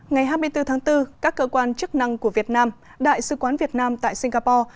ngày hai mươi bốn tháng bốn các cơ quan chức năng của việt nam đại sứ quán việt nam tại singapore